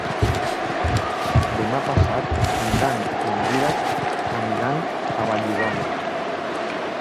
Demà passat en Dan i en Dídac aniran a Vallibona.